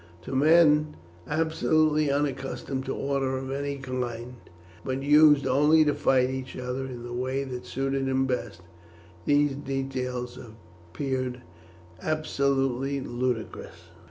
To men absolutely unaccustomed to order of any kind, but used only to fight each in the way that suited him best, these details appeared absolutely ludicrous.